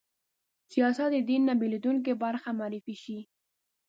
سیاست د دین نه بېلېدونکې برخه معرفي شي